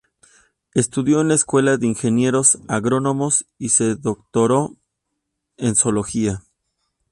Estudió en la Escuela de Ingenieros Agrónomos y se doctoró en zoología.